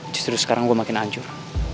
justru sekarang gue makin hancur